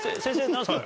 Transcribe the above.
何ですか？